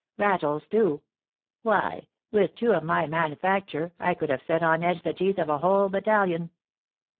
Rattles, too, why, with two of my manufacture I could have set on edge the teeth of a whole battalion!